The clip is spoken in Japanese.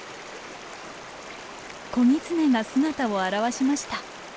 子ギツネが姿を現しました。